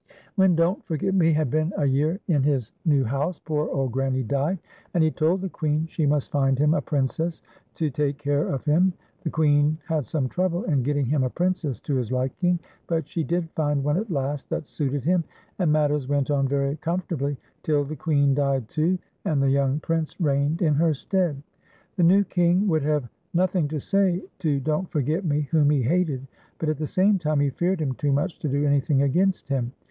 When Don't Forget Me had been a year in his IQO FAIRIE AND BROWNIE. new house, poor old Granny died, and he told the Queen she must find him a Princess to take care of him. The Queen had some trouble in <jetting him a Princess to his liking, but she did find one at last that suited him, and matters went on very comfort ably, till the Queen died too, and the young Prince reigned in her stead. The new King would have no thing to say to Don't Forget Me, whom he hated, but at the same time, he feared him too much to do any thing against him.